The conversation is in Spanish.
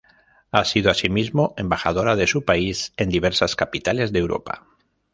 Ha sido, asimismo, embajadora de su país en diversas capitales de Europa.